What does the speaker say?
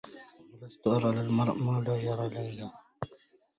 وَلَستُ أَرى لِلمَرءِ ما لا يَرى لِيا